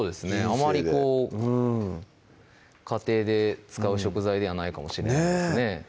あまりこう家庭で使う食材ではないかもしれないですね